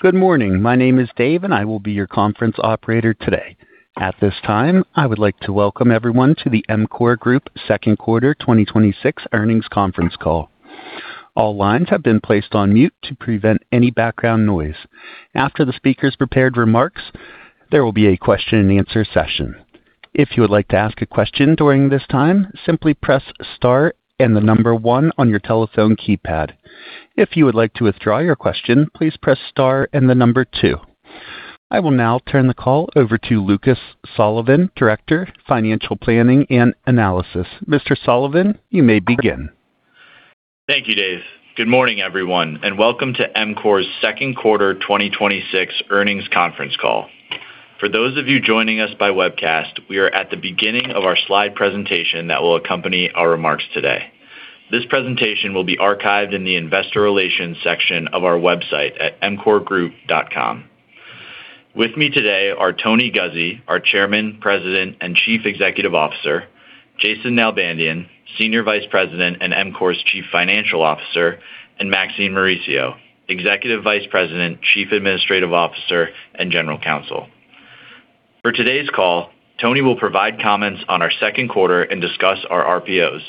Good morning. My name is Dave, and I will be your conference operator today. At this time, I would like to welcome everyone to the EMCOR Group Second Quarter 2026 Earnings Conference Call. All lines have been placed on mute to prevent any background noise. After the speaker's prepared remarks, there will be a question and answer session. If you would like to ask a question during this time, simply press star and the number one on your telephone keypad. If you would like to withdraw your question, please press star and the number two. I will now turn the call over to Lucas Sullivan, Director, Financial Planning and Analysis. Mr. Sullivan, you may begin. Thank you, Dave. Good morning, everyone, and welcome to EMCOR's Second Quarter 2026 Earnings Conference Call. For those of you joining us by webcast, we are at the beginning of our slide presentation that will accompany our remarks today. This presentation will be archived in the investor relations section of our website at emcorgroup.com. With me today are Tony Guzzi, our Chairman, President, and Chief Executive Officer, Jason Nalbandian, Senior Vice President and EMCOR's Chief Financial Officer, and Maxine Mauricio, Executive Vice President, Chief Administrative Officer, and General Counsel. For today's call, Tony will provide comments on our second quarter and discuss our RPOs.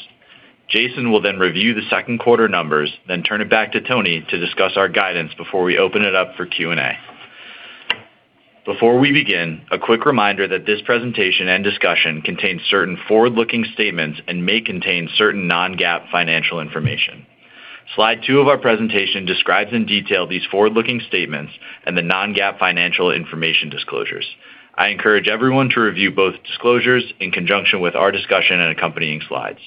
Jason will review the second quarter numbers, then turn it back to Tony to discuss our guidance before we open it up for Q&A. Before we begin, a quick reminder that this presentation and discussion contains certain forward-looking statements and may contain certain non-GAAP financial information. Slide two of our presentation describes in detail these forward-looking statements and the non-GAAP financial information disclosures. I encourage everyone to review both disclosures in conjunction with our discussion and accompanying slides.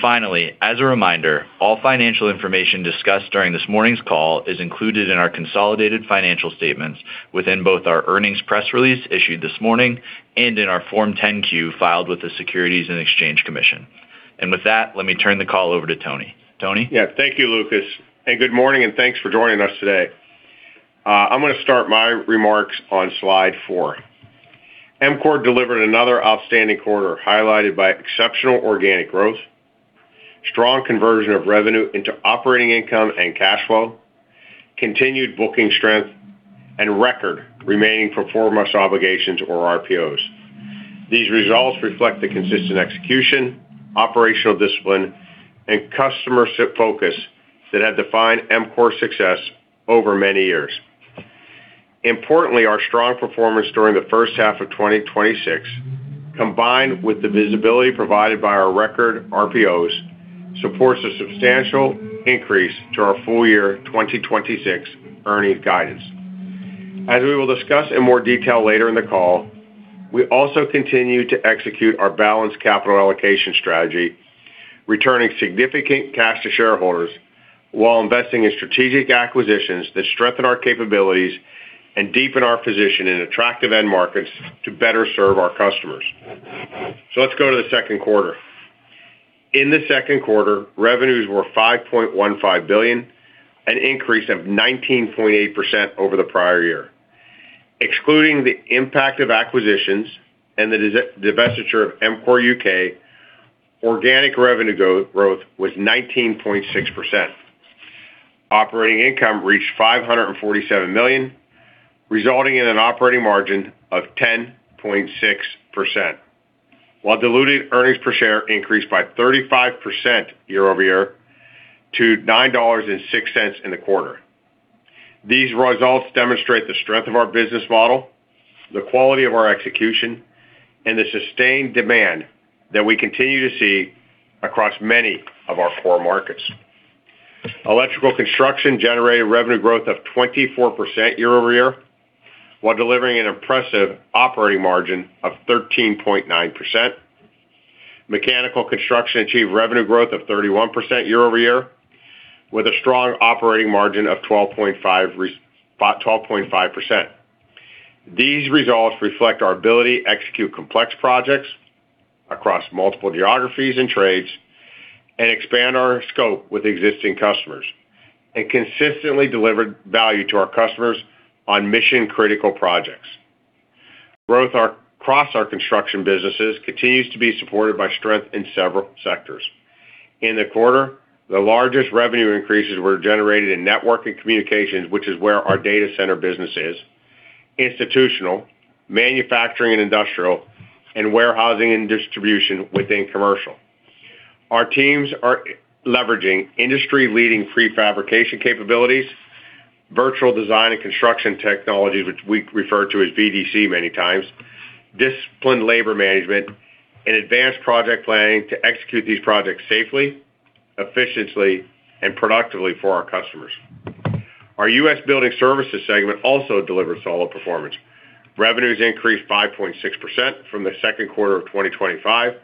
Finally, as a reminder, all financial information discussed during this morning's call is included in our consolidated financial statements within both our earnings press release issued this morning and in our Form 10-Q filed with the Securities and Exchange Commission. With that, let me turn the call over to Tony. Tony? Yeah. Thank you, Lucas, and good morning, and thanks for joining us today. I'm going to start my remarks on slide four. EMCOR delivered another outstanding quarter, highlighted by exceptional organic growth, strong conversion of revenue into operating income and cash flow, continued booking strength, and record remaining performance obligations or RPOs. These results reflect the consistent execution, operational discipline, and customer focus that have defined EMCOR's success over many years. Importantly, our strong performance during the first half of 2026, combined with the visibility provided by our record RPOs, supports a substantial increase to our full year 2026 earnings guidance. As we will discuss in more detail later in the call, we also continue to execute our balanced capital allocation strategy, returning significant cash to shareholders while investing in strategic acquisitions that strengthen our capabilities and deepen our position in attractive end markets to better serve our customers. Let's go to the second quarter. In the second quarter, revenues were $5.15 billion, an increase of 19.8% over the prior year. Excluding the impact of acquisitions and the divestiture of EMCOR UK, organic revenue growth was 19.6%. Operating income reached $547 million, resulting in an operating margin of 10.6%, while diluted earnings per share increased by 35% year-over-year to $9.06 in the quarter. These results demonstrate the strength of our business model, the quality of our execution, and the sustained demand that we continue to see across many of our core markets. Electrical construction generated revenue growth of 24% year-over-year, while delivering an impressive operating margin of 13.9%. Mechanical construction achieved revenue growth of 31% year-over-year with a strong operating margin of 12.5%. These results reflect our ability to execute complex projects across multiple geographies and trades and expand our scope with existing customers and consistently delivered value to our customers on mission-critical projects. Growth across our construction businesses continues to be supported by strength in several sectors. In the quarter, the largest revenue increases were generated in network and communications, which is where our data center business is, institutional, manufacturing and industrial, and warehousing and distribution within commercial. Our teams are leveraging industry-leading prefabrication capabilities, virtual design and construction technologies, which we refer to as VDC many times, disciplined labor management, and advanced project planning to execute these projects safely, efficiently, and productively for our customers. Our U.S. building services segment also delivered solid performance. Revenues increased 5.6% from the second quarter of 2025,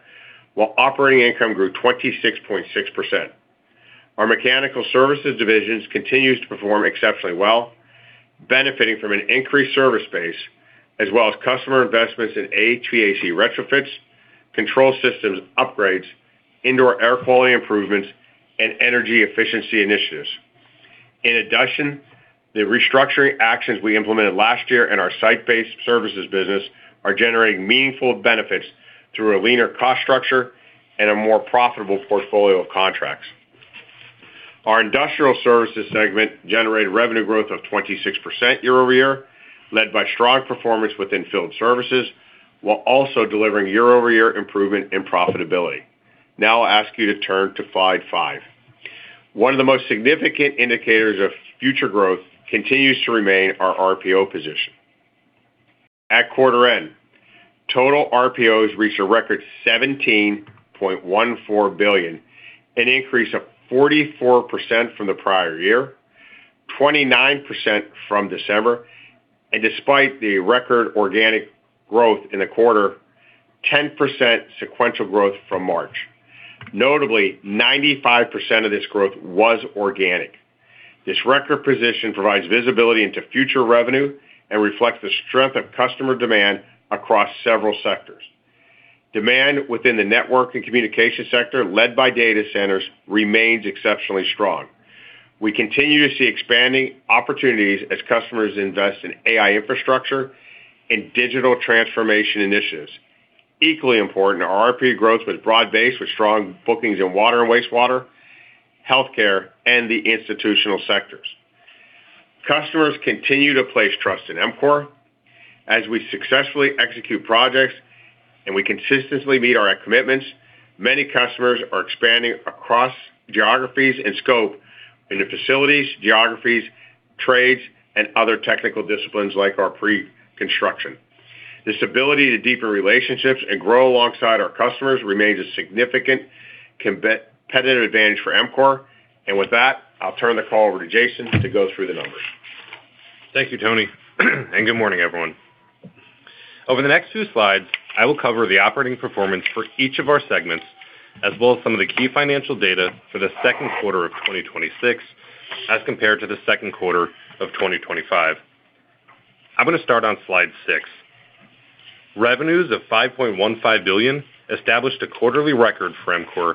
while operating income grew 26.6%. Our mechanical services divisions continues to perform exceptionally well, benefiting from an increased service base as well as customer investments in HVAC retrofits, control systems upgrades, indoor air quality improvements, and energy efficiency initiatives. In addition, the restructuring actions we implemented last year in our site-based services business are generating meaningful benefits through a leaner cost structure and a more profitable portfolio of contracts. Our industrial services segment generated revenue growth of 26% year-over-year, led by strong performance within field services, while also delivering year-over-year improvement in profitability. I'll ask you to turn to slide five. One of the most significant indicators of future growth continues to remain our RPO position. At quarter end, total RPOs reached a record $17.14 billion, an increase of 44% from the prior year, 29% from December, and despite the record organic growth in the quarter, 10% sequential growth from March. Notably, 95% of this growth was organic. This record position provides visibility into future revenue and reflects the strength of customer demand across several sectors. Demand within the network and communication sector, led by data centers, remains exceptionally strong. We continue to see expanding opportunities as customers invest in AI infrastructure and digital transformation initiatives. Equally important, our RPO growth was broad-based with strong bookings in water and wastewater, healthcare, and the institutional sectors. Customers continue to place trust in EMCOR. As we successfully execute projects and we consistently meet our commitments, many customers are expanding across geographies and scope into facilities, geographies, trades, and other technical disciplines like our pre-construction. This ability to deepen relationships and grow alongside our customers remains a significant competitive advantage for EMCOR. With that, I'll turn the call over to Jason to go through the numbers. Thank you, Tony. Good morning, everyone. Over the next few slides, I will cover the operating performance for each of our segments, as well as some of the key financial data for the second quarter of 2026 as compared to the second quarter of 2025. I'm going to start on slide seven. Revenues of $5.15 billion established a quarterly record for EMCOR,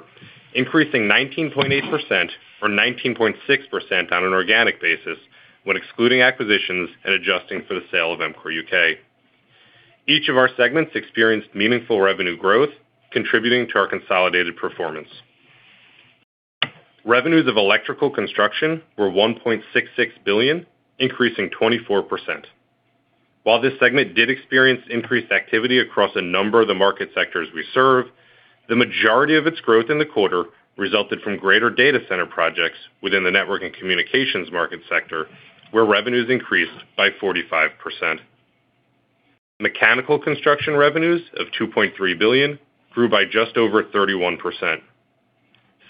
increasing 19.8%, or 19.6% on an organic basis when excluding acquisitions and adjusting for the sale of EMCOR UK. Each of our segments experienced meaningful revenue growth, contributing to our consolidated performance. Revenues of electrical construction were $1.66 billion, increasing 24%. While this segment did experience increased activity across a number of the market sectors we serve, the majority of its growth in the quarter resulted from greater data center projects within the network and communications market sector, where revenues increased by 45%. Mechanical construction revenues of $2.3 billion grew by just over 31%.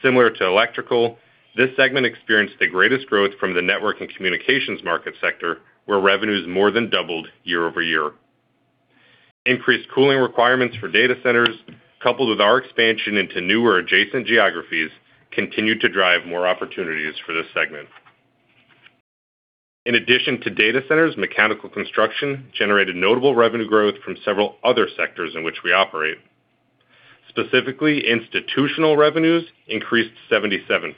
Similar to electrical, this segment experienced the greatest growth from the network and communications market sector, where revenues more than doubled year-over-year. Increased cooling requirements for data centers, coupled with our expansion into newer adjacent geographies, continued to drive more opportunities for this segment. Data centers, mechanical construction generated notable revenue growth from several other sectors in which we operate. Specifically, institutional revenues increased 77%,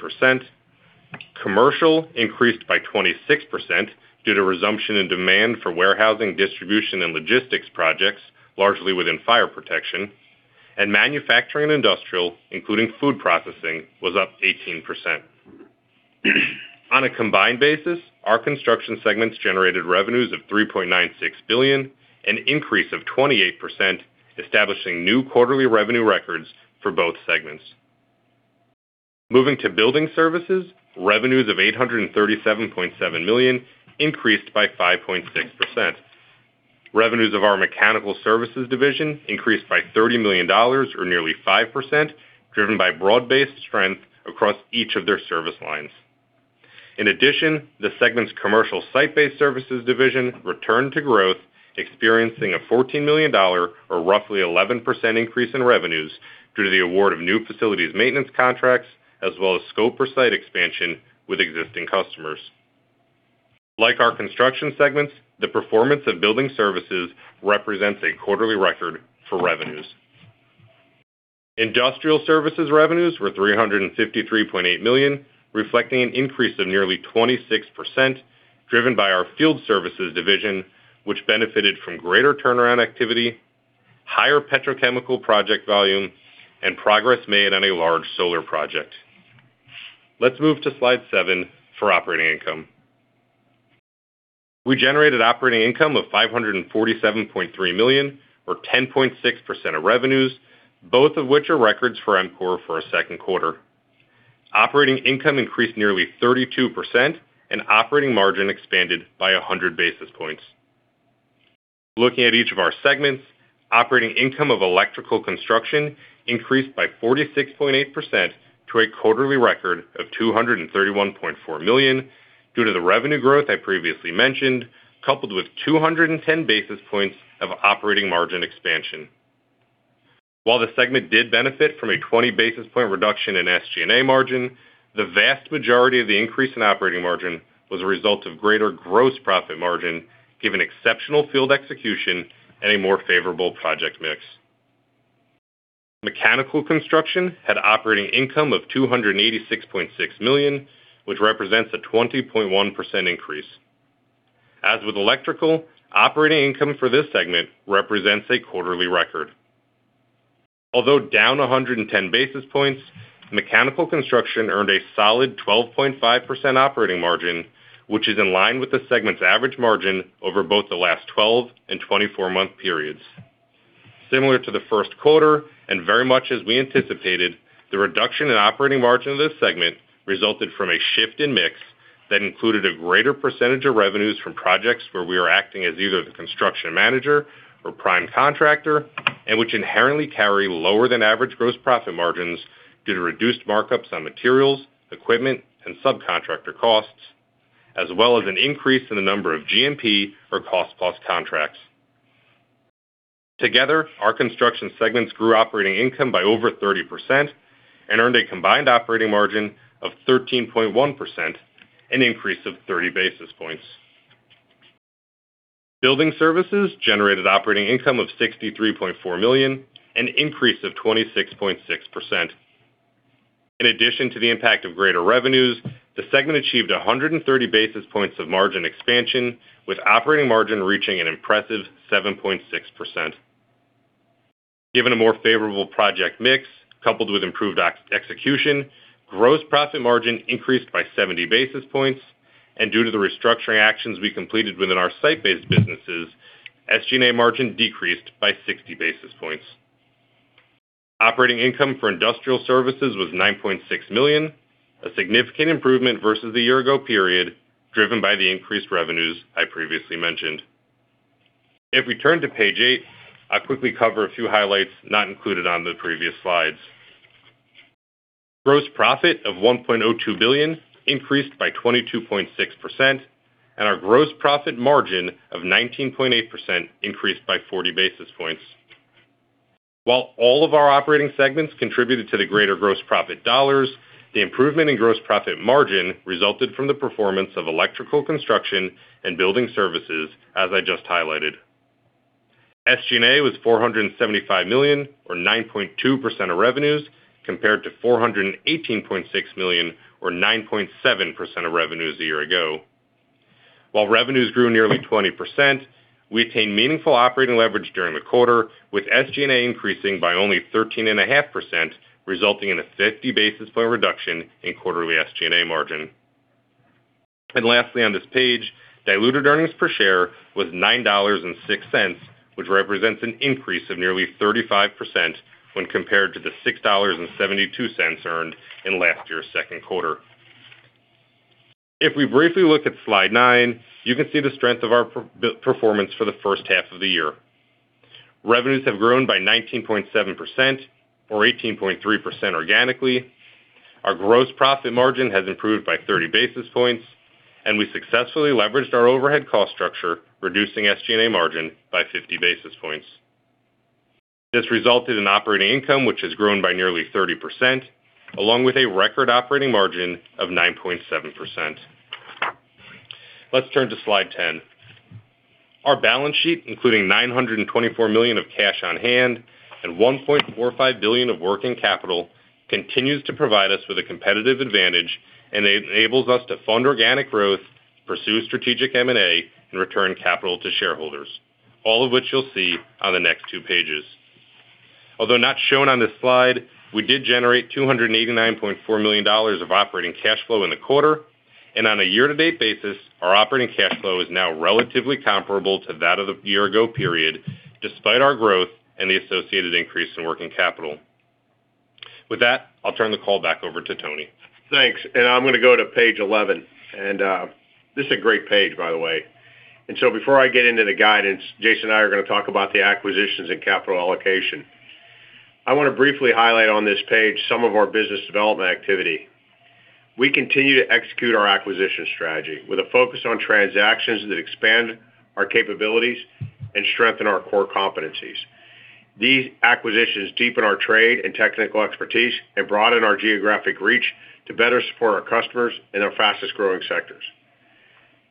commercial increased by 26% due to resumption in demand for warehousing, distribution, and logistics projects, largely within fire protection, and manufacturing and industrial, including food processing, was up 18%. On combined basis, our construction segments generated revenues of $3.96 billion, an increase of 28%, establishing new quarterly revenue records for both segments. Moving to building services, revenues of $837.7 million increased by 5.6%. Revenues of our mechanical services division increased by $30 million, or nearly 5%, driven by broad-based strength across each of their service lines. The segment's commercial site-based services division returned to growth, experiencing a $14 million, or roughly 11% increase in revenues due to the award of new facilities maintenance contracts, as well as scope or site expansion with existing customers. Like our construction segments, the performance of building services represents a quarterly record for revenues. Industrial services revenues were $353.8 million, reflecting an increase of nearly 26%, driven by our field services division, which benefited from greater turnaround activity, higher petrochemical project volume, and progress made on a large solar project. Let's move to slide seven for operating income. We generated operating income of $547.3 million or 10.6% of revenues, both of which are records for EMCOR for a second quarter. Operating income increased nearly 32%, operating margin expanded by 100 basis points. Looking at each of our segments, operating income of electrical construction increased by 46.8% to a quarterly record of $231.4 million due to the revenue growth I previously mentioned, coupled with 210 basis points of operating margin expansion. While the segment did benefit from a 20 basis point reduction in SG&A margin, the vast majority of the increase in operating margin was a result of greater gross profit margin, given exceptional field execution and a more favorable project mix. Mechanical construction had operating income of $286.6 million, which represents a 20.1% increase. As with electrical, operating income for this segment represents a quarterly record. Although down 110 basis points, mechanical construction earned a solid 12.5% operating margin, which is in line with the segment's average margin over both the last 12-month and 24-month periods. Similar to the first quarter, and very much as we anticipated, the reduction in operating margin of this segment resulted from a shift in mix that included a greater percentage of revenues from projects where we are acting as either the construction manager or prime contractor, and which inherently carry lower than average gross profit margins due to reduced markups on materials, equipment, and subcontractor costs, as well as an increase in the number of GMP or cost-plus contracts. Together, our construction segments grew operating income by over 30% and earned a combined operating margin of 13.1%, an increase of 30 basis points. Building services generated operating income of $63.4 million, an increase of 26.6%. In addition to the impact of greater revenues, the segment achieved 130 basis points of margin expansion, with operating margin reaching an impressive 7.6%. Given a more favorable project mix coupled with improved execution, gross profit margin increased by 70 basis points, and due to the restructuring actions we completed within our site-based businesses, SG&A margin decreased by 60 basis points. Operating income for industrial services was $9.6 million, a significant improvement versus the year ago period, driven by the increased revenues I previously mentioned. If we turn to page eight, I'll quickly cover a few highlights not included on the previous slides. Gross profit of $1.02 billion increased by 22.6%, and our gross profit margin of 19.8% increased by 40 basis points. While all of our operating segments contributed to the greater gross profit dollars, the improvement in gross profit margin resulted from the performance of electrical construction and building services, as I just highlighted. SG&A was $475 million, or 9.2% of revenues, compared to $418.6 million or 9.7% of revenues a year ago. While revenues grew nearly 20%, we attained meaningful operating leverage during the quarter, with SG&A increasing by only 13.5%, resulting in a 50 basis point reduction in quarterly SG&A margin. Lastly on this page, diluted earnings per share was $9.06, which represents an increase of nearly 35% when compared to the $6.72 earned in last year's second quarter. If we briefly look at slide nine, you can see the strength of our performance for the first half of the year. Revenues have grown by 19.7%, or 18.3% organically, our gross profit margin has improved by 30 basis points, and we successfully leveraged our overhead cost structure, reducing SG&A margin by 50 basis points. This resulted in operating income, which has grown by nearly 30%, along with a record operating margin of 9.7%. Let's turn to slide 10. Our balance sheet, including $924 million of cash on hand and $1.45 billion of working capital, continues to provide us with a competitive advantage, and enables us to fund organic growth, pursue strategic M&A, and return capital to shareholders. All of which you'll see on the next two pages. Although not shown on this slide, we did generate $289.4 million of operating cash flow in the quarter. On a year-to-date basis, our operating cash flow is now relatively comparable to that of the year ago period, despite our growth and the associated increase in working capital. With that, I'll turn the call back over to Tony. Thanks. I'm going to go to page 11. This is a great page by the way. Before I get into the guidance, Jason and I are going to talk about the acquisitions and capital allocation. I want to briefly highlight on this page some of our business development activity. We continue to execute our acquisition strategy with a focus on transactions that expand our capabilities and strengthen our core competencies. These acquisitions deepen our trade and technical expertise and broaden our geographic reach to better support our customers in our fastest-growing sectors.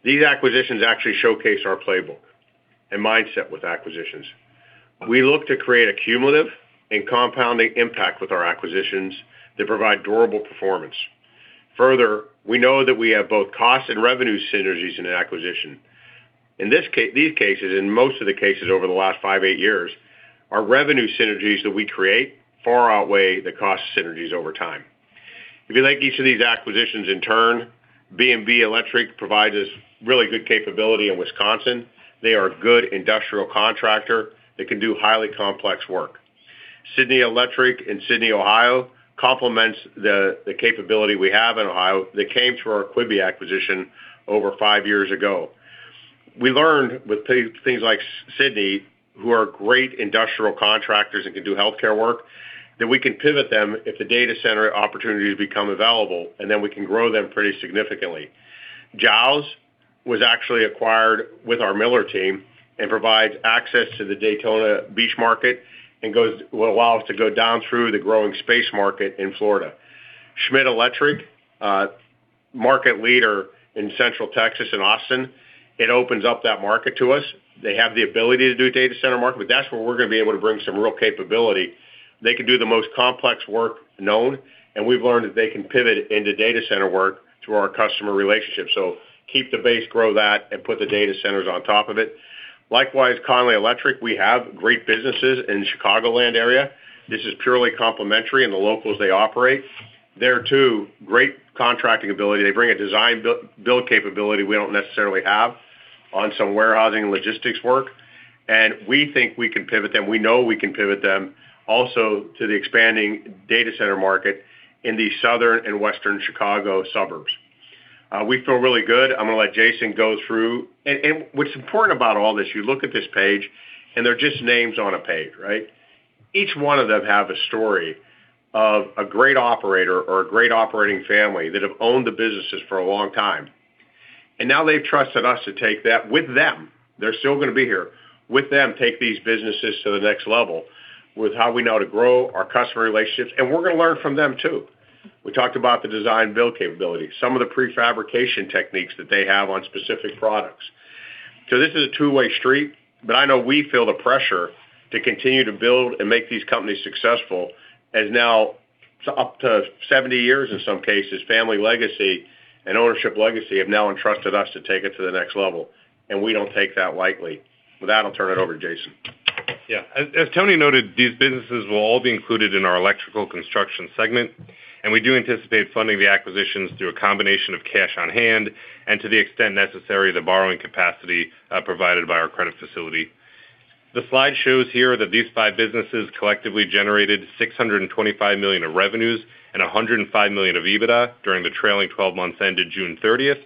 These acquisitions actually showcase our playbook and mindset with acquisitions. We look to create a cumulative and compounding impact with our acquisitions that provide durable performance. We know that we have both cost and revenue synergies in an acquisition. In these cases, most of the cases over the last five, eight years, our revenue synergies that we create far outweigh the cost synergies over time. If you like each of these acquisitions in turn, B&B Electric provides us really good capability in Wisconsin. They are a good industrial contractor that can do highly complex work. Sidney Electric in Sidney, Ohio, complements the capability we have in Ohio that came through our Quebe acquisition over five years ago. We learned with things like Sidney, who are great industrial contractors and can do healthcare work, that we can pivot them if the data center opportunities become available, we can grow them pretty significantly. Giles Electric was actually acquired with our Miller Electric Company team and provides access to the Daytona Beach market, will allow us to go down through the growing space market in Florida. Schmidt Electric, a market leader in Central Texas and Austin. It opens up that market to us. They have the ability to do data center market, that's where we're going to be able to bring some real capability. They can do the most complex work known, we've learned that they can pivot into data center work through our customer relationships. Keep the base, grow that, put the data centers on top of it. Likewise, Connelly Electric, we have great businesses in Chicagoland area. This is purely complementary in the locals they operate. There too, great contracting ability. They bring a design-build capability we don't necessarily have on some warehousing and logistics work, we think we can pivot them. We know we can pivot them also to the expanding data center market in the southern and western Chicago suburbs. We feel really good. I'm going to let Jason go through. What's important about all this, you look at this page and they're just names on a page, right? Each one of them have a story of a great operator or a great operating family that have owned the businesses for a long time, now they've trusted us to take that with them. They're still going to be here. With them, take these businesses to the next level with how we know to grow our customer relationships, we're going to learn from them, too. We talked about the design-build capability, some of the pre-fabrication techniques that they have on specific products. This is a two-way street, I know we feel the pressure to continue to build and make these companies successful, as now up to 70 years in some cases, family legacy and ownership legacy have now entrusted us to take it to the next level, and we don't take that lightly. With that, I'll turn it over to Jason. As Tony noted, these businesses will all be included in our electrical construction segment, and we do anticipate funding the acquisitions through a combination of cash on hand and to the extent necessary, the borrowing capacity provided by our credit facility. The slide shows here that these five businesses collectively generated $625 million of revenues and $105 million of EBITDA during the trailing 12 months ended June 30th.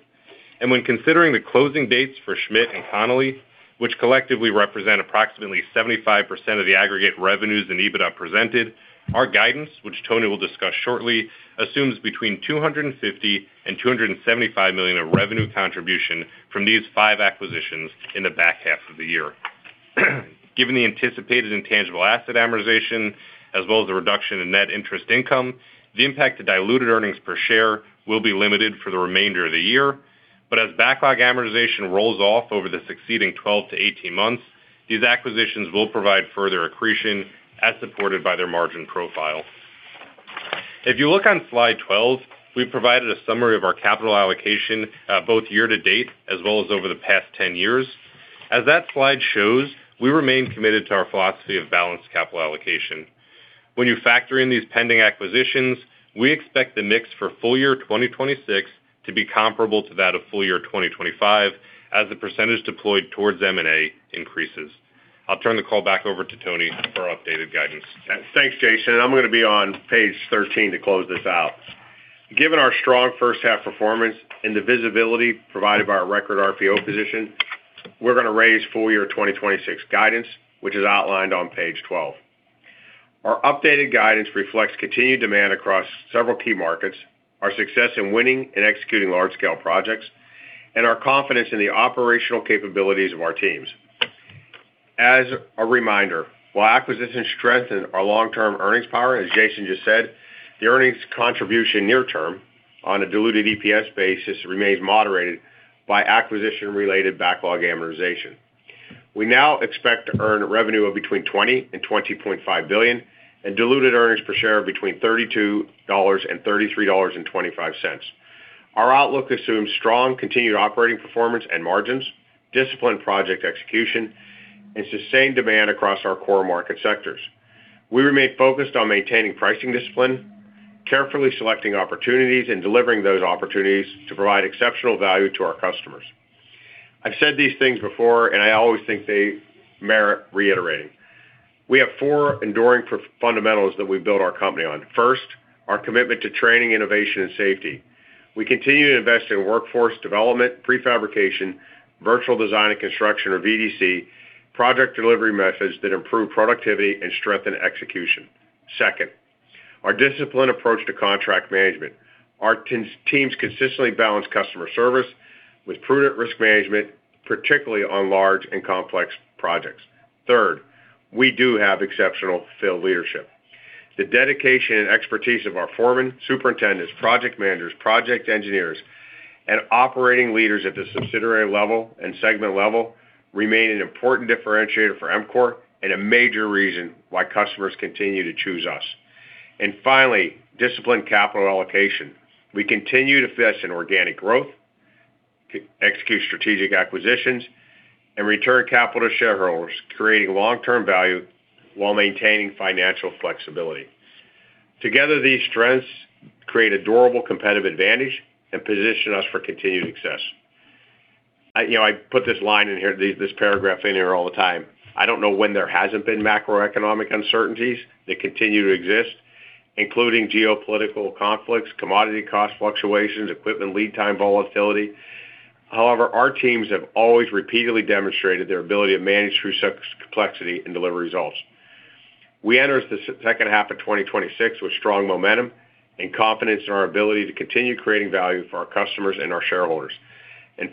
When considering the closing dates for Schmidt and Connelly, which collectively represent approximately 75% of the aggregate revenues and EBITDA presented, our guidance, which Tony will discuss shortly, assumes between $250 million and $275 million of revenue contribution from these five acquisitions in the back half of the year. Given the anticipated intangible asset amortization as well as the reduction in net interest income, the impact to diluted earnings per share will be limited for the remainder of the year. As backlog amortization rolls off over the succeeding 12-18 months, these acquisitions will provide further accretion as supported by their margin profile. If you look on slide 12, we provided a summary of our capital allocation both year to date as well as over the past 10 years. As that slide shows, we remain committed to our philosophy of balanced capital allocation. When you factor in these pending acquisitions, we expect the mix for full year 2026 to be comparable to that of full year 2025 as the percentage deployed towards M&A increases. I'll turn the call back over to Tony for our updated guidance. Thanks, Jason. I'm going to be on page 13 to close this out. Given our strong first half performance and the visibility provided by our record RPO position, we're going to raise full year 2026 guidance, which is outlined on page 12. Our updated guidance reflects continued demand across several key markets, our success in winning and executing large scale projects, and our confidence in the operational capabilities of our teams. As a reminder, while acquisitions strengthen our long term earnings power, as Jason just said, the earnings contribution near term on a diluted EPS basis remains moderated by acquisition related backlog amortization. We now expect to earn revenue of between $20 billion and $20.5 billion and diluted earnings per share of between $32 and $33.25. Our outlook assumes strong continued operating performance and margins, disciplined project execution, and sustained demand across our core market sectors. We remain focused on maintaining pricing discipline, carefully selecting opportunities, and delivering those opportunities to provide exceptional value to our customers. I've said these things before, and I always think they merit reiterating. We have four enduring fundamentals that we build our company on. First, our commitment to training, innovation, and safety. We continue to invest in workforce development, pre-fabrication, virtual design and construction, or VDC, project delivery methods that improve productivity and strengthen execution. Second, our disciplined approach to contract management. Our teams consistently balance customer service with prudent risk management, particularly on large and complex projects. Third, we do have exceptional field leadership. The dedication and expertise of our foremen, superintendents, project managers, project engineers, and operating leaders at the subsidiary level and segment level remain an important differentiator for EMCOR and a major reason why customers continue to choose us. Finally, disciplined capital allocation. We continue to invest in organic growth, execute strategic acquisitions, and return capital to shareholders, creating long-term value while maintaining financial flexibility. Together, these strengths create a durable competitive advantage and position us for continued success. I put this line in here, this paragraph in here all the time. I don't know when there hasn't been macroeconomic uncertainties. They continue to exist, including geopolitical conflicts, commodity cost fluctuations, equipment lead time volatility. However, our teams have always repeatedly demonstrated their ability to manage through such complexity and deliver results. We enter the second half of 2026 with strong momentum and confidence in our ability to continue creating value for our customers and our shareholders.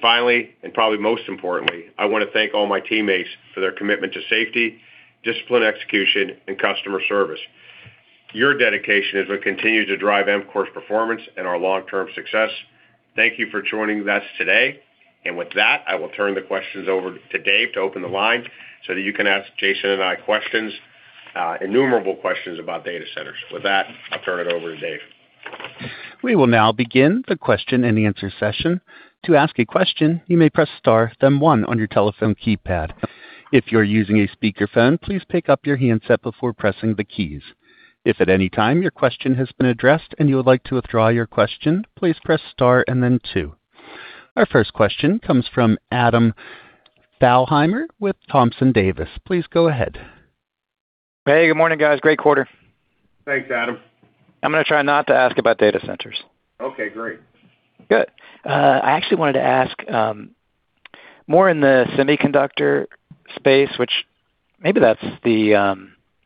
Finally, and probably most importantly, I want to thank all my teammates for their commitment to safety, disciplined execution, and customer service. Your dedication is what continues to drive EMCOR's performance and our long-term success. Thank you for joining us today. With that, I will turn the questions over to Dave to open the line so that you can ask Jason and I innumerable questions about data centers. With that, I'll turn it over to Dave. We will now begin the question and answer session. To ask a question, you may press star, then one on your telephone keypad. If you're using a speakerphone, please pick up your handset before pressing the keys. If at any time your question has been addressed and you would like to withdraw your question, please press star and then two. Our first question comes from Adam Thalhimer with Thompson Davis. Please go ahead. Hey, good morning, guys. Great quarter. Thanks, Adam. I'm going to try not to ask about data centers. Okay, great. Good. I actually wanted to ask more in the semiconductor space, which maybe that's the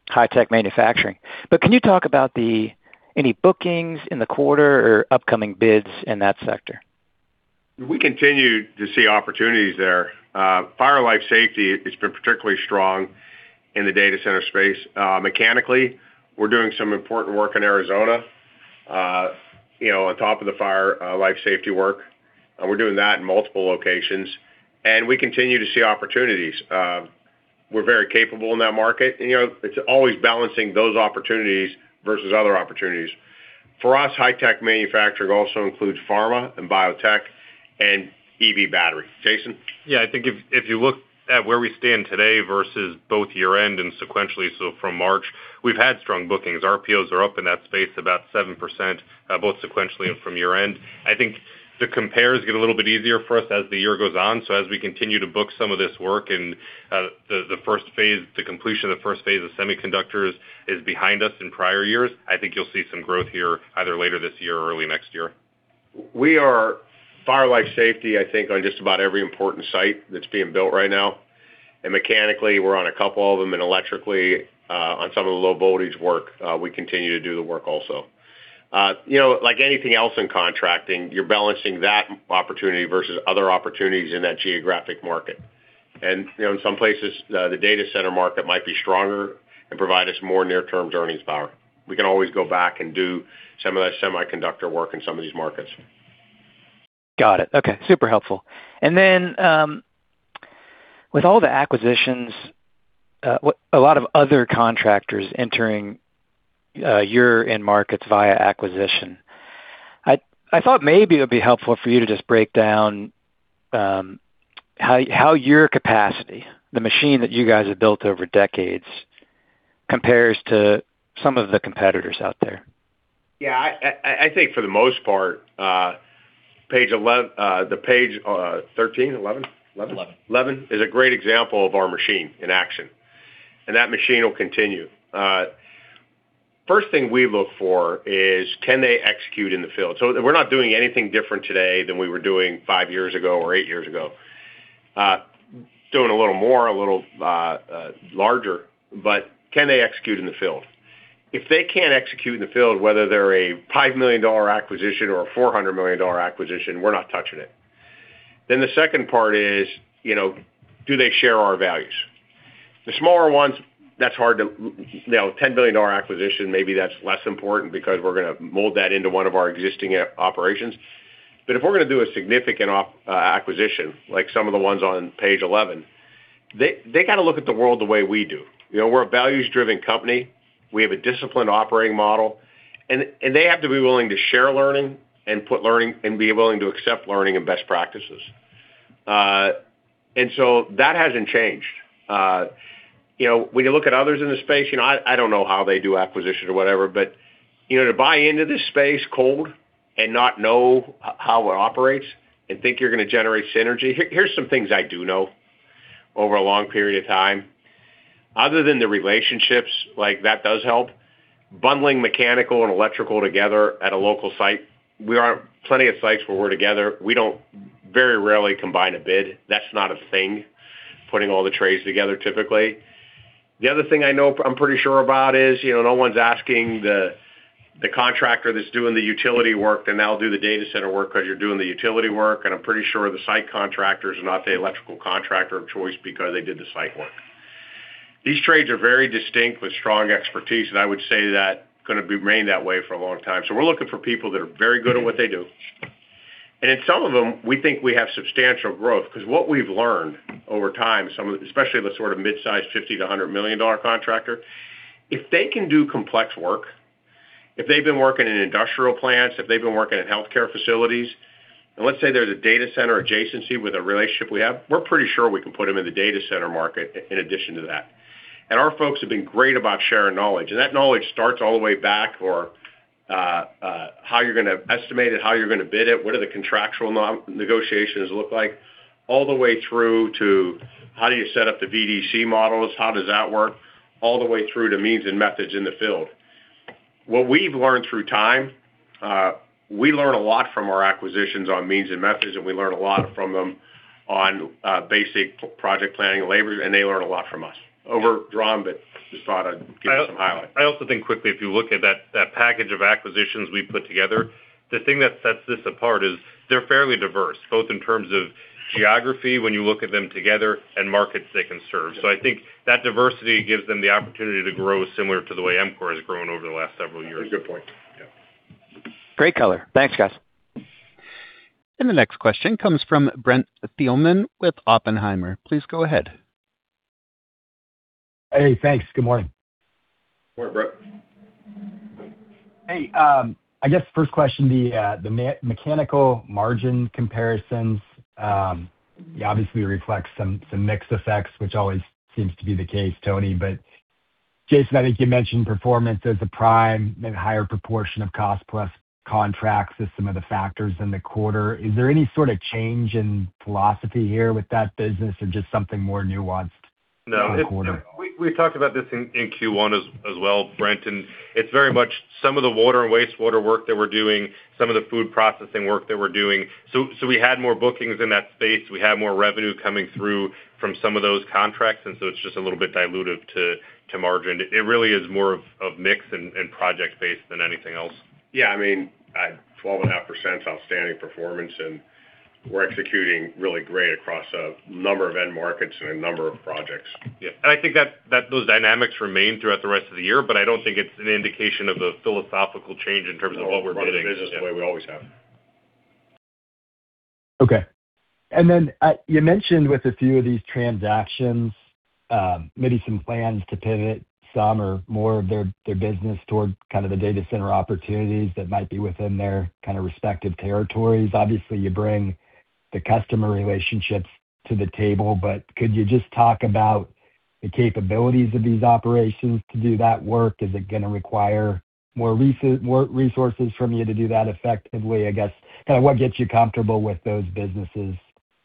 high-tech manufacturing. Can you talk about any bookings in the quarter or upcoming bids in that sector? We continue to see opportunities there. Fire life safety has been particularly strong in the data center space. Mechanically, we're doing some important work in Arizona, on top of the fire life safety work. We're doing that in multiple locations. We continue to see opportunities. We're very capable in that market. It's always balancing those opportunities versus other opportunities. For us, high-tech manufacturing also includes pharma and biotech and EV battery. Jason? I think if you look at where we stand today versus both year-end and sequentially, from March, we've had strong bookings. Our RPOs are up in that space about 7%, both sequentially and from year-end. I think the compares get a little bit easier for us as the year goes on. As we continue to book some of this work and the completion of the first phase of semiconductors is behind us in prior years, I think you'll see some growth here either later this year or early next year. We are fire life safety, I think, on just about every important site that's being built right now. Mechanically, we're on a couple of them, and electrically, on some of the low voltage work, we continue to do the work also. Like anything else in contracting, you're balancing that opportunity versus other opportunities in that geographic market. In some places, the data center market might be stronger and provide us more near-term earnings power. We can always go back and do some of that semiconductor work in some of these markets. Got it. Okay, super helpful. With all the acquisitions, a lot of other contractors entering your end markets via acquisition, I thought maybe it'd be helpful for you to just break down how your capacity, the machine that you guys have built over decades, compares to some of the competitors out there. Yeah, I think for the most part, the page 13, 11? 11. 11 is a great example of our machine in action, that machine will continue. First thing we look for is can they execute in the field? We're not doing anything different today than we were doing five years ago or eight years ago. Doing a little more, a little larger, but can they execute in the field? If they can't execute in the field, whether they're a $5 million acquisition or a $400 million acquisition, we're not touching it. The second part is, do they share our values? The smaller ones, that's hard to $10 billion acquisition, maybe that's less important because we're going to mold that into one of our existing operations. If we're going to do a significant acquisition, like some of the ones on page 11, they got to look at the world the way we do. We're a values-driven company. We have a disciplined operating model, they have to be willing to share learning and be willing to accept learning and best practices. That hasn't changed. When you look at others in the space, I don't know how they do acquisition or whatever, but to buy into this space cold and not know how it operates and think you're going to generate synergy, here's some things I do know over a long period of time. Other than the relationships, like that does help. Bundling mechanical and electrical together at a local site. We are plenty of sites where we're together. We don't very rarely combine a bid. That's not a thing, putting all the trades together, typically. The other thing I know I'm pretty sure about is, no one's asking the contractor that's doing the utility work to now do the data center work because you're doing the utility work. I'm pretty sure the site contractor is not the electrical contractor of choice because they did the site work. These trades are very distinct with strong expertise, and I would say that going to remain that way for a long time. We're looking for people that are very good at what they do. In some of them, we think we have substantial growth because what we've learned over time, especially the sort of mid-size $50 million-$100 million contractor, if they can do complex work, if they've been working in industrial plants, if they've been working in healthcare facilities, and let's say there's a data center adjacency with a relationship we have, we're pretty sure we can put them in the data center market in addition to that. Our folks have been great about sharing knowledge, and that knowledge starts all the way back or how you're going to estimate it, how you're going to bid it, what are the contractual negotiations look like, all the way through to how do you set up the VDC models, how does that work, all the way through to means and methods in the field. What we've learned through time, we learn a lot from our acquisitions on means and methods, and we learn a lot from them on basic project planning and labor, and they learn a lot from us. Overdrawn, but just thought I'd give you some highlights. I also think quickly, if you look at that package of acquisitions we put together. The thing that sets this apart is they're fairly diverse, both in terms of geography, when you look at them together, and markets they can serve. I think that diversity gives them the opportunity to grow similar to the way EMCOR has grown over the last several years. That's a good point. Yeah. Great color. Thanks, guys. The next question comes from Brent Thielman with Oppenheimer. Please go ahead. Hey, thanks. Good morning. Morning, Brent. Hey. I guess first question, the mechanical margin comparisons obviously reflects some mix effects, which always seems to be the case, Tony. Jason, I think you mentioned performance as a prime and higher proportion of cost-plus contracts as some of the factors in the quarter. Is there any sort of change in philosophy here with that business or just something more nuanced in the quarter? No. We talked about this in Q1 as well, Brent. It's very much some of the water and wastewater work that we're doing, some of the food processing work that we're doing. We had more bookings in that space. We had more revenue coming through from some of those contracts, and so it's just a little bit dilutive to margin. It really is more of mix and project-based than anything else. Yeah. 12.5% is outstanding performance, and we're executing really great across a number of end markets and a number of projects. Yeah. I think that those dynamics remain throughout the rest of the year, but I don't think it's an indication of a philosophical change in terms of what we're getting. We're going to run the business the way we always have. Okay. You mentioned with a few of these transactions, maybe some plans to pivot some or more of their business toward kind of the data center opportunities that might be within their kind of respective territories. Obviously, you bring the customer relationships to the table, could you just talk about the capabilities of these operations to do that work? Is it going to require more resources from you to do that effectively? I guess, what gets you comfortable with those businesses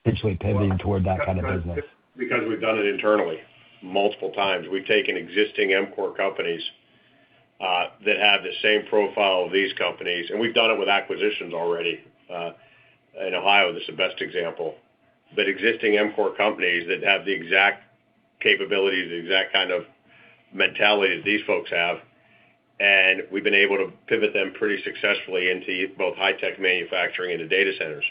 potentially pivoting toward that kind of business? We've done it internally multiple times. We've taken existing EMCOR companies, that have the same profile of these companies, and we've done it with acquisitions already. In Ohio, that's the best example. Existing EMCOR companies that have the exact capabilities, the exact kind of mentality that these folks have, and we've been able to pivot them pretty successfully into both high-tech manufacturing and the data centers.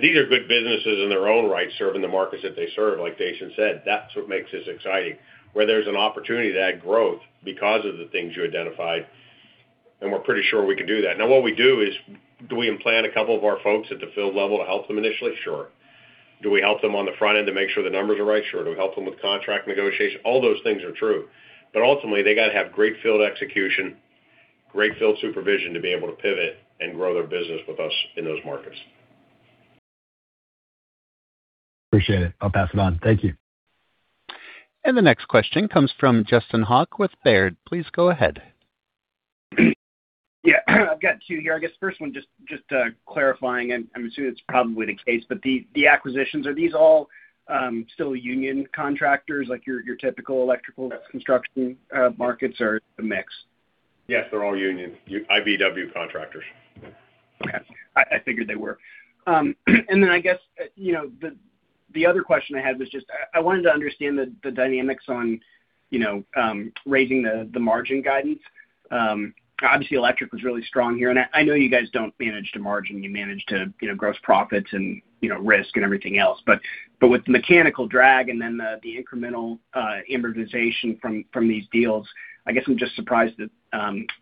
These are good businesses in their own right, serving the markets that they serve, like Jason said. That's what makes this exciting, where there's an opportunity to add growth because of the things you identified, and we're pretty sure we can do that. Now what we do is, do we implant a couple of our folks at the field level to help them initially? Sure. Do we help them on the front end to make sure the numbers are right? Sure. Do we help them with contract negotiation? All those things are true, but ultimately, they got to have great field execution, great field supervision to be able to pivot and grow their business with us in those markets. Appreciate it. I'll pass it on. Thank you. The next question comes from Justin Hauke with Baird. Please go ahead. Yeah, I've got two here. I guess first one, just clarifying, and I'm assuming it's probably the case, but the acquisitions, are these all still union contractors, like your typical electrical construction markets or is it a mix? Yes, they're all union. IBEW contractors. Okay. I figured they were. I guess the other question I had was just I wanted to understand the dynamics on raising the margin guidance. Obviously, Electrical was really strong here, and I know you guys don't manage to margin. You manage to gross profit and risk and everything else. With the Mechanical drag and then the incremental amortization from these deals, I guess I'm just surprised that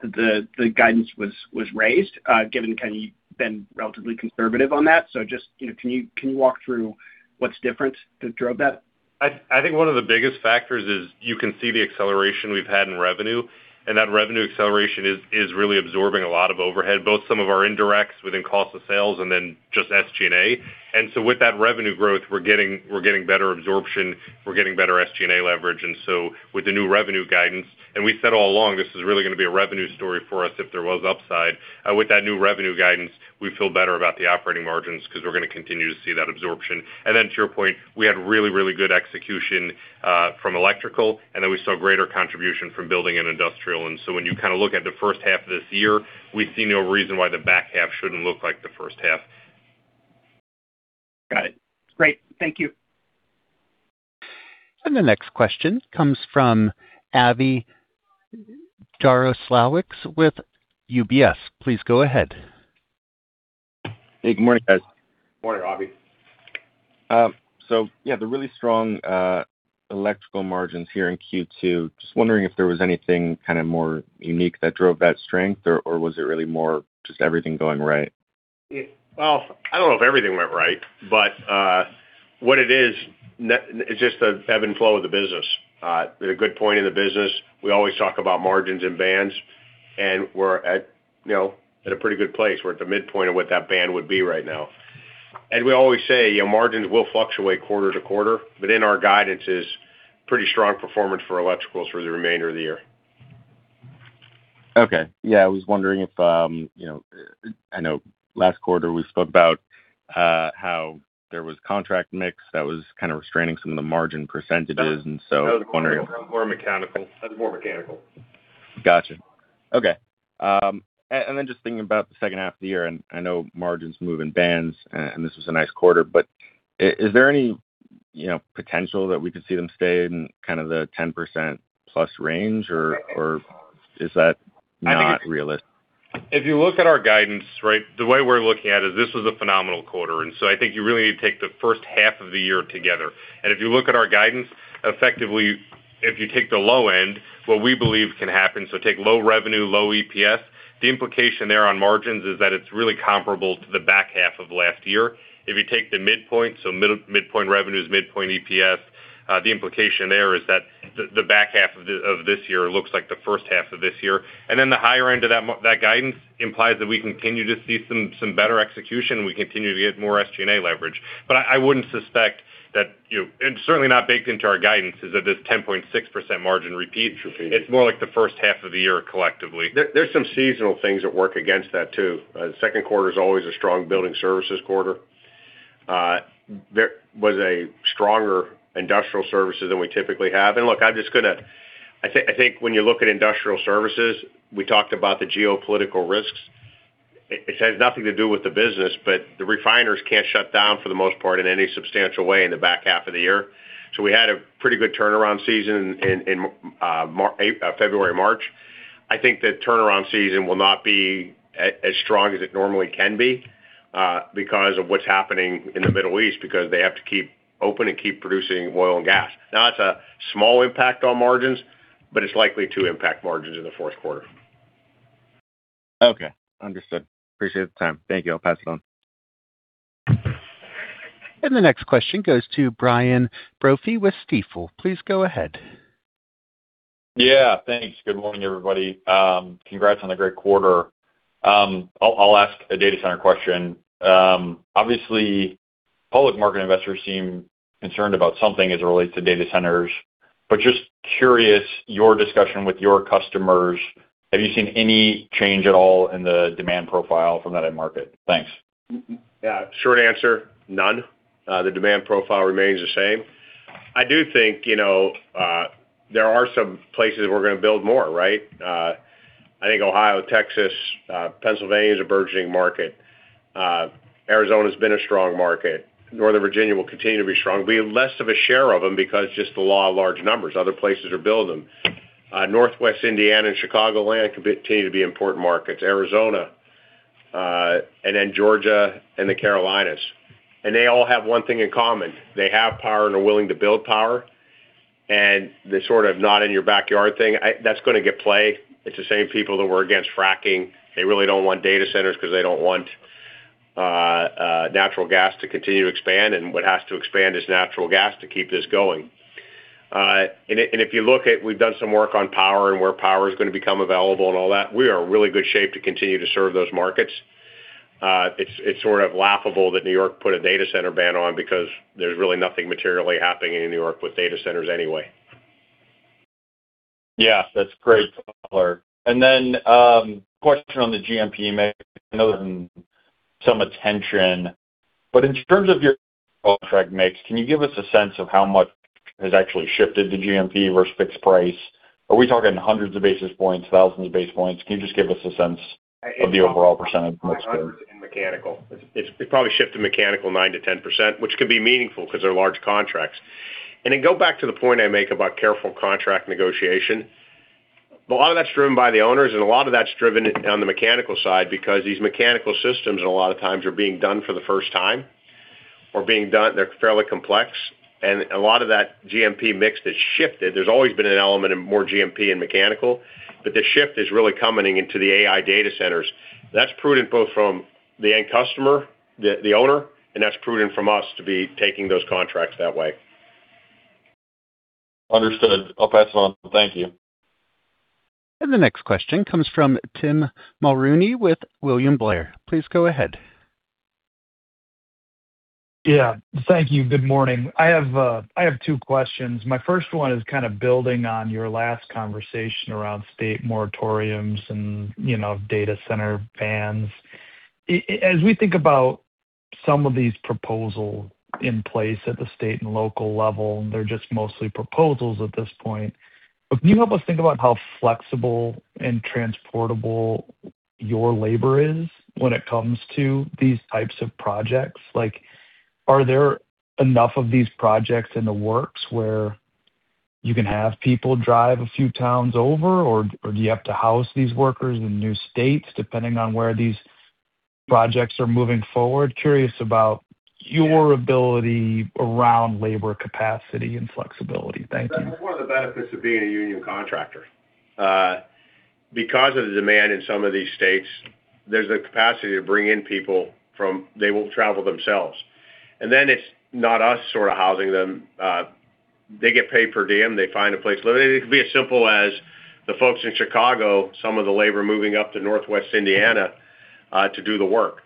the guidance was raised, given you've been relatively conservative on that. Just can you walk through what's different that drove that? I think one of the biggest factors is you can see the acceleration we've had in revenue, and that revenue acceleration is really absorbing a lot of overhead, both some of our indirects within cost of sales and then just SG&A. With that revenue growth, we're getting better absorption, we're getting better SG&A leverage. We said all along, this is really going to be a revenue story for us if there was upside. With that new revenue guidance, we feel better about the operating margins because we're going to continue to see that absorption. To your point, we had really, really good execution from Electrical, and then we saw greater contribution from Building and Industrial. When you look at the first half of this year, we see no reason why the back half shouldn't look like the first half. Got it. Great. Thank you. The next question comes from Avi Jaroslawicz with UBS. Please go ahead. Hey, good morning, guys. Morning, Avi. Yeah, the really strong electrical margins here in Q2, just wondering if there was anything more unique that drove that strength, or was it really more just everything going right? Well, I don't know if everything went right, but what it is, it's just the ebb and flow of the business. At a good point in the business, we always talk about margins in bands, and we're at a pretty good place. We're at the midpoint of what that band would be right now. We always say, margins will fluctuate quarter-to-quarter, but in our guidance is pretty strong performance for electricals for the remainder of the year. Okay. Yeah, I was wondering if, I know last quarter we spoke about how there was contract mix that was kind of restraining some of the margin percentages, and so I was wondering. That was more mechanical. Got you. Okay. Just thinking about the second half of the year, and I know margins move in bands, and this was a nice quarter, but is there any potential that we could see them stay in kind of the 10%+ range, or is that not realistic? If you look at our guidance, right, the way we're looking at it is this was a phenomenal quarter. I think you really need to take the first half of the year together. If you look at our guidance, effectively, if you take the low end, what we believe can happen, take low revenue, low EPS, the implication there on margins is that it's really comparable to the back half of last year. If you take the midpoint revenues, midpoint EPS, the implication there is that the back half of this year looks like the first half of this year. The higher end of that guidance implies that we continue to see some better execution, we continue to get more SG&A leverage. I wouldn't suspect that, and certainly not baked into our guidance, is that this 10.6% margin repeats. It's more like the first half of the year collectively. There's some seasonal things that work against that, too. Second quarter's always a strong building services quarter. There was a stronger industrial services than we typically have. Look, I think when you look at industrial services, we talked about the geopolitical risks. It has nothing to do with the business, but the refiners can't shut down for the most part in any substantial way in the back half of the year. We had a pretty good turnaround season in February, March. I think that turnaround season will not be as strong as it normally can be, because of what's happening in the Middle East, because they have to keep open and keep producing oil and gas. It's a small impact on margins, but it's likely to impact margins in the fourth quarter. Okay. Understood. Appreciate the time. Thank you. I'll pass it on. The next question goes to Brian Brophy with Stifel. Please go ahead. Yeah, thanks. Good morning, everybody. Congrats on the great quarter. I'll ask a data center question. Obviously, public market investors seem concerned about something as it relates to data centers, but just curious, your discussion with your customers, have you seen any change at all in the demand profile from that end market? Thanks. Yeah. Short answer, none. The demand profile remains the same. I do think there are some places we're going to build more, right? I think Ohio, Texas, Pennsylvania is a burgeoning market. Arizona's been a strong market. Northern Virginia will continue to be strong. We have less of a share of them because just the law of large numbers. Other places are building them. Northwest Indiana and Chicagoland continue to be important markets. Arizona, and then Georgia, and the Carolinas. They all have one thing in common. They have power and are willing to build power. The sort of not in your backyard thing, that's going to get play. It's the same people that were against fracking. They really don't want data centers because they don't want natural gas to continue to expand. What has to expand is natural gas to keep this going. If you look at, we've done some work on power and where power is going to become available and all that. We are in really good shape to continue to serve those markets. It's sort of laughable that New York put a data center ban on because there's really nothing materially happening in New York with data centers anyway. Yeah, that's great color. Question on the GMP mix, I know some attention, in terms of your contract mix, can you give us a sense of how much has actually shifted to GMP versus fixed price? Are we talking hundreds of basis points, thousands of basis points? Can you just give us a sense of the overall percent mix there? It's probably shifted mechanical 9%-10%, which can be meaningful because they're large contracts. Go back to the point I make about careful contract negotiation. A lot of that's driven by the owners, and a lot of that's driven on the mechanical side because these mechanical systems a lot of times are being done for the first time or they're fairly complex. A lot of that GMP mix that's shifted, there's always been an element of more GMP in mechanical, but the shift is really coming into the AI data centers. That's prudent both from the end customer, the owner, and that's prudent from us to be taking those contracts that way. Understood. I'll pass it on. Thank you. The next question comes from Tim Mulrooney with William Blair. Please go ahead. Yeah. Thank you. Good morning. I have two questions. My first one is kind of building on your last conversation around state moratoriums and data center bans. As we think about some of these proposals in place at the state and local level, and they're just mostly proposals at this point. Can you help us think about how flexible and transportable your labor is when it comes to these types of projects? Are there enough of these projects in the works where you can have people drive a few towns over, or do you have to house these workers in new states, depending on where these projects are moving forward? Curious about your ability around labor capacity and flexibility. Thank you. That's one of the benefits of being a union contractor. Because of the demand in some of these states, there's a capacity to bring in people from. They will travel themselves. It's not us sort of housing them. They get paid per diem. They find a place. It could be as simple as the folks in Chicago, some of the labor moving up to Northwest Indiana, to do the work.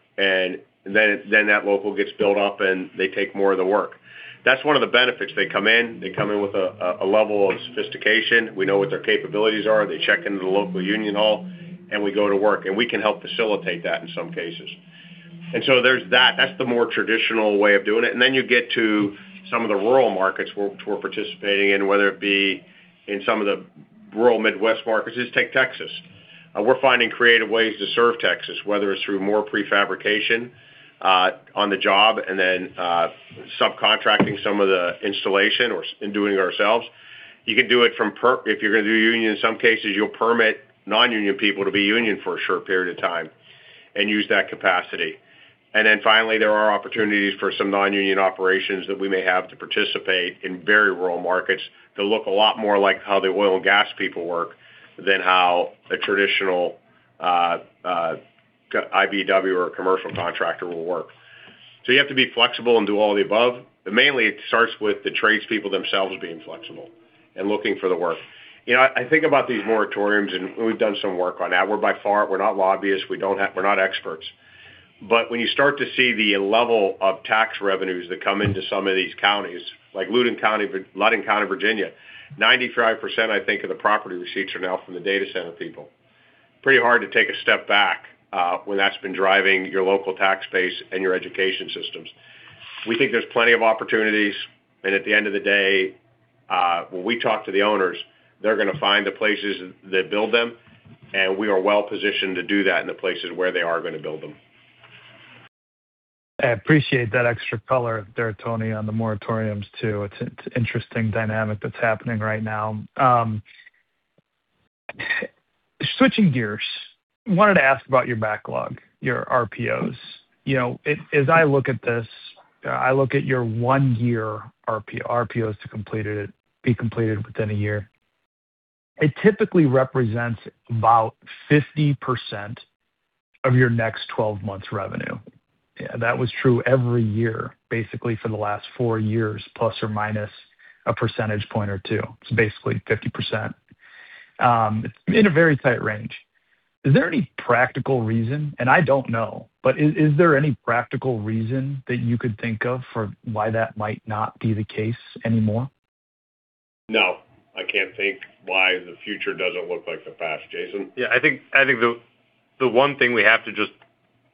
That local gets built up, and they take more of the work. That's one of the benefits. They come in with a level of sophistication. We know what their capabilities are. They check into the local union hall, and we go to work. We can help facilitate that in some cases. There's that's the more traditional way of doing it. You get to some of the rural markets where we're participating in, whether it be in some of the rural Midwest markets is take Texas. We're finding creative ways to serve Texas, whether it's through more pre-fabrication on the job and then subcontracting some of the installation or doing it ourselves. If you're going to do union, in some cases, you'll permit non-union people to be union for a short period of time and use that capacity. Finally, there are opportunities for some non-union operations that we may have to participate in very rural markets that look a lot more like how the oil and gas people work than how a traditional IBEW or a commercial contractor will work. You have to be flexible and do all the above, mainly it starts with the tradespeople themselves being flexible and looking for the work. I think about these moratoriums. We've done some work on that. We're by far, we're not lobbyists, we're not experts. When you start to see the level of tax revenues that come into some of these counties, like Loudoun County, Virginia, 95%, I think, of the property receipts are now from the data center people. Pretty hard to take a step back when that's been driving your local tax base and your education systems. We think there's plenty of opportunities. At the end of the day, when we talk to the owners, they're going to find the places that build them, and we are well-positioned to do that in the places where they are going to build them. I appreciate that extra color there, Tony, on the moratoriums too. It's interesting dynamic that's happening right now. Switching gears, wanted to ask about your backlog, your RPOs. As I look at this, I look at your one-year RPOs to be completed within a year. It typically represents about 50% of your next 12 months revenue. That was true every year, basically for the last four years, plus or minus a percentage point or two. It's basically 50%. In a very tight range. Is there any practical reason, and I don't know, but is there any practical reason that you could think of for why that might not be the case anymore? No, I can't think why the future doesn't look like the past, Jason. Yeah, I think the one thing we have to just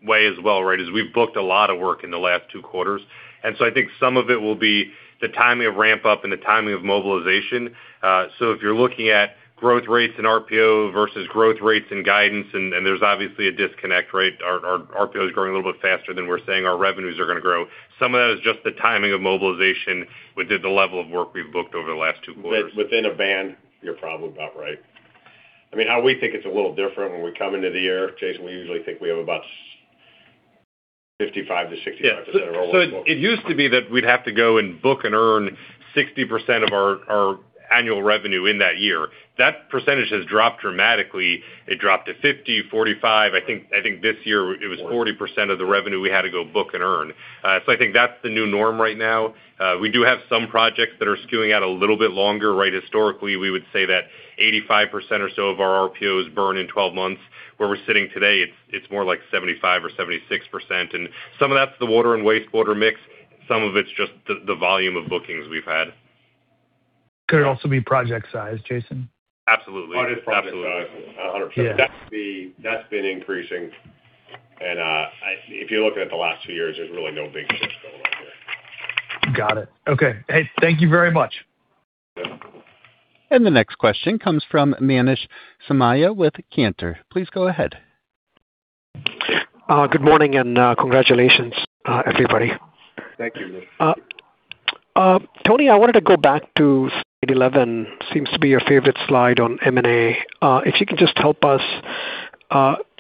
weigh as well is we've booked a lot of work in the last two quarters, I think some of it will be the timing of ramp-up and the timing of mobilization. If you're looking at growth rates in RPO versus growth rates in guidance, there's obviously a disconnect. Our RPO is growing a little bit faster than we're saying our revenues are going to grow. Some of that is just the timing of mobilization with the level of work we've booked over the last two quarters. Within a band, you're probably about right. How we think it's a little different when we come into the year, Jason, we usually think we have about 55%-65% of our work booked. It used to be that we'd have to go and book and earn 60% of our annual revenue in that year. That percentage has dropped dramatically. It dropped to 50%, 45%. I think this year it was 40% of the revenue we had to go book and earn. I think that's the new norm right now. We do have some projects that are skewing out a little bit longer. Historically, we would say that 85% or so of our RPOs burn in 12 months. Where we're sitting today, it's more like 75% or 76%. Some of that's the water and wastewater mix. Some of it's just the volume of bookings we've had. Could it also be project size, Jason? Absolutely. Project size, 100%. That's been increasing, if you look at the last two years, there's really no big shifts going on here. Got it. Okay. Hey, thank you very much. Yep. The next question comes from Manish Somaiya with Cantor. Please go ahead. Good morning, and congratulations, everybody. Thank you. Tony, I wanted to go back to slide 11. Seems to be your favorite slide on M&A. If you could just help us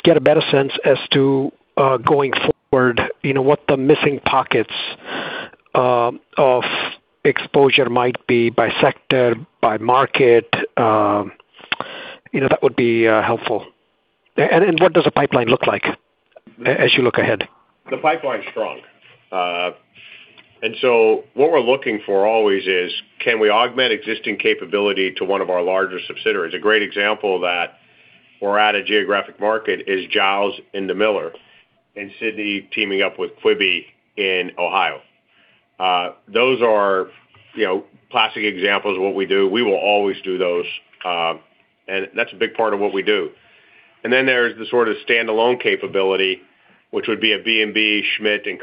get a better sense as to, going forward, what the missing pockets of exposure might be by sector, by market, that would be helpful. What does the pipeline look like as you look ahead? The pipeline's strong. What we're looking for always is, can we augment existing capability to one of our larger subsidiaries? A great example of that, or add a geographic market, is Gowan/Garrett in Demiller. Sidney teaming up with Quebe in Ohio. Those are classic examples of what we do. We will always do those. That's a big part of what we do. Then there's the sort of standalone capability, which would be a B&B, Schmidt, and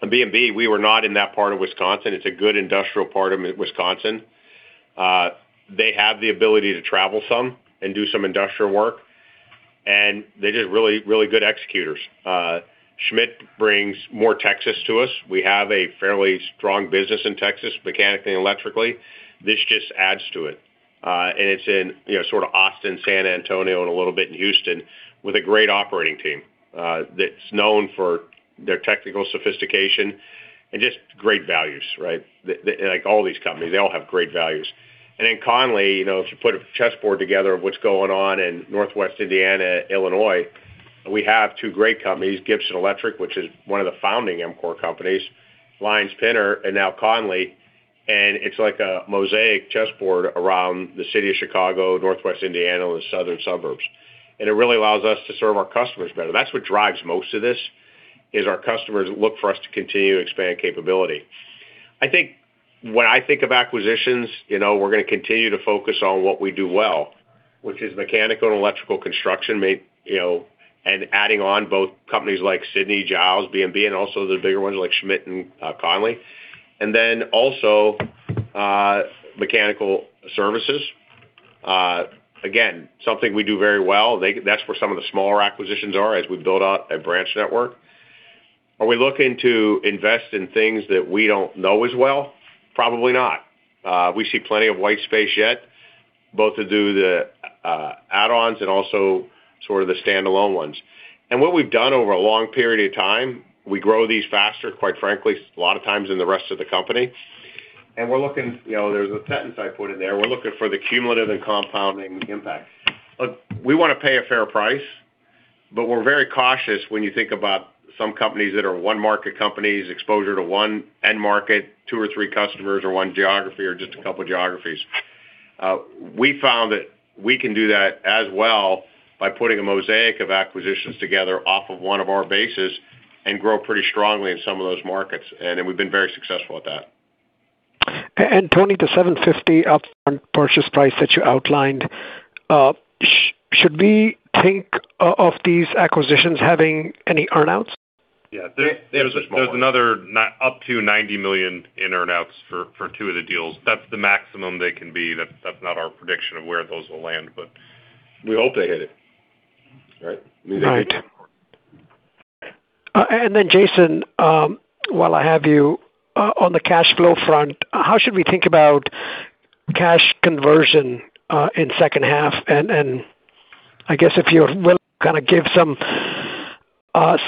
Connelly. B&B. We were not in that part of Wisconsin. It's a good industrial part of Wisconsin. They have the ability to travel some and do some industrial work, and they're just really good executors. Schmidt brings more Texas to us. We have a fairly strong business in Texas, mechanically and electrically. This just adds to it. It's in Austin, San Antonio, and a little bit in Houston with a great operating team that's known for their technical sophistication and just great values. Like all these companies, they all have great values. Connelly, if you put a chessboard together of what's going on in Northwest Indiana, Illinois, we have two great companies, Gibson Electric, which is one of the founding EMCOR companies, Lyons & Pinner, and now Connelly, it's like a mosaic chessboard around the city of Chicago, Northwest Indiana, and the southern suburbs. It really allows us to serve our customers better. That's what drives most of this, is our customers look for us to continue to expand capability. I think, when I think of acquisitions, we're going to continue to focus on what we do well. Which is mechanical and electrical construction, and adding on both companies like Sidney, Giles, B&B, and also the bigger ones like Schmidt and Connelly. Also Mechanical Services. Again, something we do very well. That's where some of the smaller acquisitions are as we build out a branch network. Are we looking to invest in things that we don't know as well? Probably not. We see plenty of white space yet, both to do the add-ons and also sort of the standalone ones. What we've done over a long period of time, we grow these faster, quite frankly, a lot of times, than the rest of the company. There's a sentence I put in there. We're looking for the cumulative and compounding impact. Look, we want to pay a fair price, but we're very cautious when you think about some companies that are one-market companies, exposure to one end market, two or three customers or one geography or just a couple geographies. We found that we can do that as well by putting a mosaic of acquisitions together off of one of our bases and grow pretty strongly in some of those markets. We've been very successful at that. Tony, the $750 upfront purchase price that you outlined, should we think of these acquisitions having any earn-outs? There's another up to $90 million in earn-outs for two of the deals. That's the maximum they can be. That's not our prediction of where those will land, but we hope they hit it. Right? Jason, while I have you, on the cash flow front, how should we think about cash conversion in second half? I guess if you're willing to kind of give some